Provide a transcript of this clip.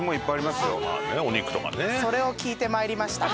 それを聞いてまいりました。